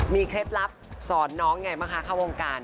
มีเคล็ดลับสอนน้องไงหรือคะครับวงการ